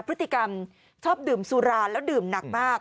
พฤติกรรมชอบดื่มสุราแล้วดื่มหนักมาก